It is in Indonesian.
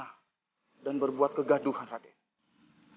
kalian jangan menjelaskan diri